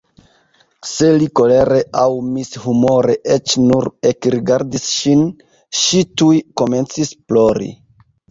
Se li kolere aŭ mishumore eĉ nur ekrigardis ŝin, ŝi tuj komencis plori.